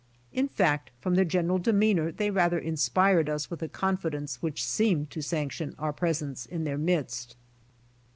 In fact froml their general demeanor they rather inspired us with a confidence which seemed to sanc tion our presence in their midst.